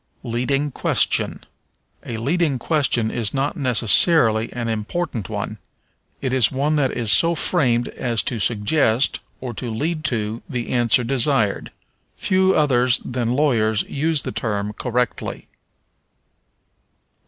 Leading Question. A leading question is not necessarily an important one; it is one that is so framed as to suggest, or lead to, the answer desired. Few others than lawyers use the term correctly.